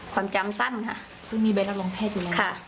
ความจำสั้นค่ะซึ่งมีใบรับรองแพทย์อยู่แล้วค่ะ